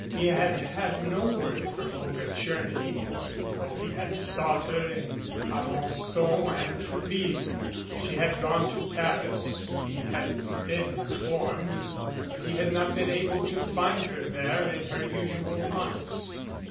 He had had no word from Olga Tcherny, though he had sought her in Alen9on and Trouville. She had gone to Paris, he had been in formed, but he had not been able to find her there in her usual haunts.